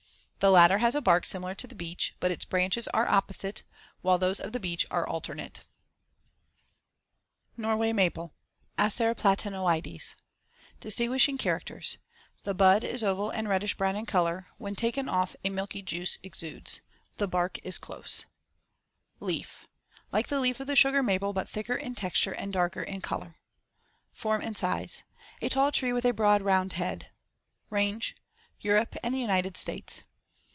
The latter has a bark similar to the beech, but its branches are opposite, while those of the beech are alternate. NORWAY MAPLE (Acer platanoides) Distinguishing characters: The bud, Fig. 33, is *oval and reddish brown* in color; when taken off, a *milky juice exudes*. The bark is close. Fig. 34 [Illustration: FIG. 34. Bark of Norway Maple.] Leaf: Like the leaf of the sugar maple but thicker in texture and darker in color. Fig. 35. Form and size: A tall tree with a broad, round head. Range: Europe and the United States.